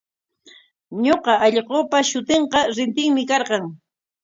Ñuqa allqupa shutinqa Rintinmi karqan.